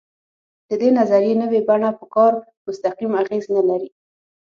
د دې نظریې نوې بڼه پر کار مستقیم اغېز نه لري.